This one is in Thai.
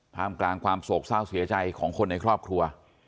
มกลางความโศกเศร้าเสียใจของคนในครอบครัว